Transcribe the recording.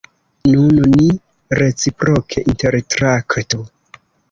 Nun ni reciproke intertraktu!